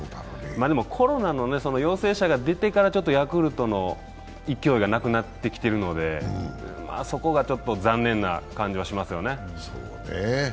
コロナの陽性者が出てからヤクルトの勢いがなくなってきているのでそこがちょっと残念な感じはしますね。